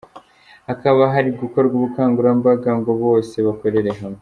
Hakaba hari gukorwa ubukangurambaga ngo bose bakorere hamwe.